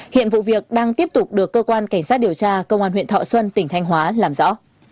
hiện vụ việc đang tiếp tục được cơ quan cảnh sát điều tra công an huyện thọ xuân tỉnh thanh hóa làm rõ